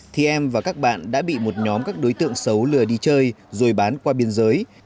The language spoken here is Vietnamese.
thì em và các bạn đã bị một nhóm các đối tượng xấu lừa đi chơi rồi bán qua biên giới